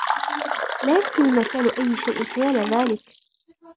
لا يمكننا فعل أي شيء حيال ذلك.